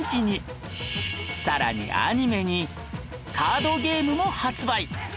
さらにアニメにカードゲームも発売